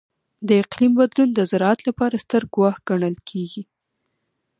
د اقلیم بدلون د زراعت لپاره ستر ګواښ ګڼل کېږي.